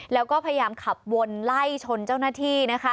แล้วก็พยายามขับวนไล่ชนเจ้าหน้าที่นะคะ